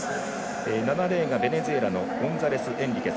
７レーンがベネズエラのゴンサレスエンリケス。